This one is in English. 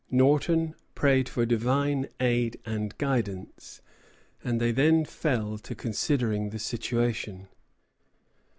Norton prayed for divine aid and guidance, and then they fell to considering the situation.